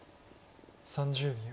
３０秒。